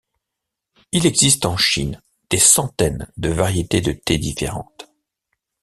Il existe en Chine des centaines de variétés de thé différentes.